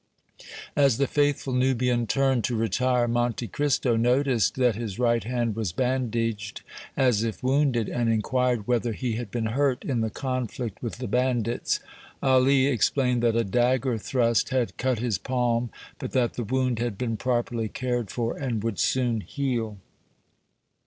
As the faithful Nubian turned to retire, Monte Cristo noticed that his right hand was bandaged as if wounded, and inquired whether he had been hurt in the conflict with the bandits. Ali explained that a dagger thrust had cut his palm, but that the wound had been properly cared for and would soon heal.